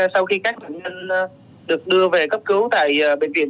sau khi các bệnh nhân được đưa về cấp cứu tại bệnh viện